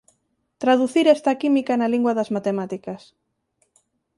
traducir esta química na lingua das matemáticas